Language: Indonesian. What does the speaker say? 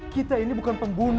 kita ini bukan pembunuh